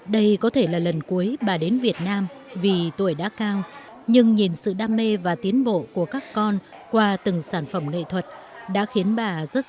đây có thể là lần cuối bà đến việt nam vì tuổi đã cao nhưng nhìn sự đam mê và tiến bộ của các con qua từng sản phẩm nghệ thuật đã khiến bà rất xúc động và hạnh phúc